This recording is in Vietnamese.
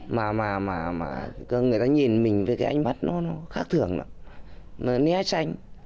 mà mà mà mà người ta nhìn mình với cái ánh mắt nó khác thường lắm nó né tranh